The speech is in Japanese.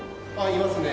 いますね。